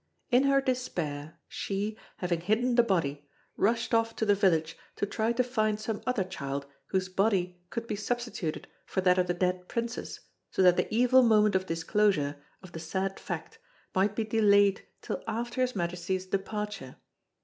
In her despair she, having hidden the body, rushed off to the village to try to find some other child whose body could be substituted for that of the dead princess so that the evil moment of disclosure of the sad fact might be delayed till after His Majesty's departure.